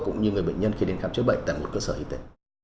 cũng như người bệnh nhân khi đến khám chữa bệnh tại một cơ sở y tế